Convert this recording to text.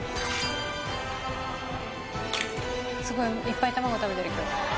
すごいいっぱい卵食べられる今日。